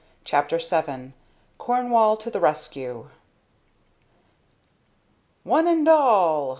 CHAPTER VII CORNWALL TO THE RESCUE "One and all!"